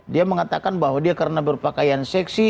dia mengatakan bahwa dia karena berpakaian seksi